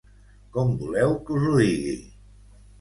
Com voleu que us ho digui?